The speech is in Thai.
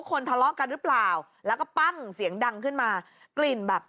คนทะเลาะกันหรือเปล่าแล้วก็ปั้งเสียงดังขึ้นมากลิ่นแบบ